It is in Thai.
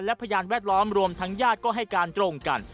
และพยานแวดล้อมรวมทั้งญาติก็ให้การตรงกัน